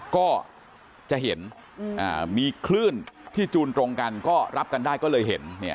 ก็จะเห็นมีคลื่นที่จูนตรงกันก็รับกันได้ก็เลยเห็น